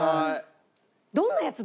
どんなやつ？